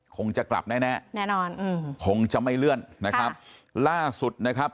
คงจะกลับแน่แน่แน่นอนอืมคงจะไม่เลื่อนนะครับล่าสุดนะครับ